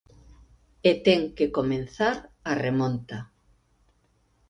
E ten que comezar a remonta.